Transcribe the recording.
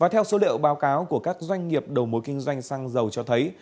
theo số liệu báo cáo của các doanh nghiệp đầu mối kinh doanh xăng dầu cho thấy